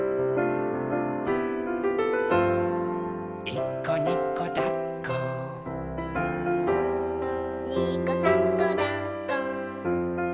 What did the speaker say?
「いっこにこだっこ」「にこさんこだっこ」